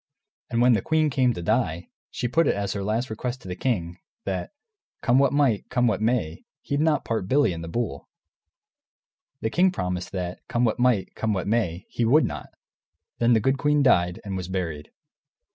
And when the queen came to die, she put it as her last request to the king, that come what might, come what may, he'd not part Billy and the bull. And the king promised that, come what might, come what may, he would not. Then the good queen died, and was buried.